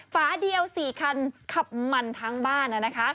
ฝาเดียว๔คันขับมันทั้งบ้านนะคะ